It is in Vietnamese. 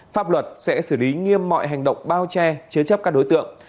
pháp luật sẽ xử lý nghiêm mọi hành động bao che chế chấp các đối tượng